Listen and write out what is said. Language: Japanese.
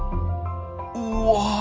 うわ！